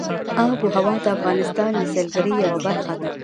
آب وهوا د افغانستان د سیلګرۍ یوه برخه ده.